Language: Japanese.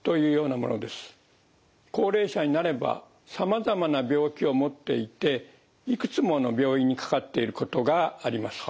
高齢者になればさまざまな病気を持っていていくつもの病院にかかっていることがあります。